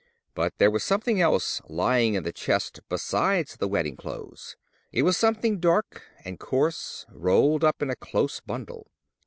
But there was something else lying in the chest besides the wedding clothes: it was something dark and coarse, rolled up in a close bundle.